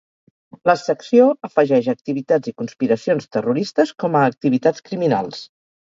La secció afegeix "activitats i conspiracions terroristes" com a "activitats criminals".